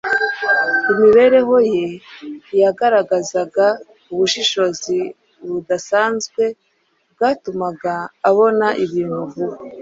imibereho ye yagaragazaga ubushishozi budasanzwe bwatumaga abona ibintu vuba,